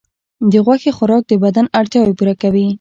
د غوښې خوراک د بدن اړتیاوې پوره کوي.